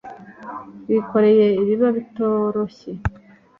wikoreye biba bitoroshye